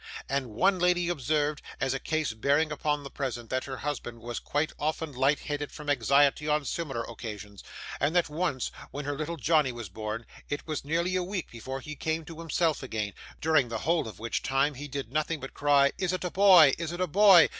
And one lady observed, as a case bearing upon the present, that her husband was often quite light headed from anxiety on similar occasions, and that once, when her little Johnny was born, it was nearly a week before he came to himself again, during the whole of which time he did nothing but cry 'Is it a boy, is it a boy?